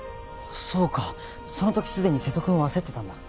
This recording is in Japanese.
そうかその時すでに瀬戸君は焦ってたんだ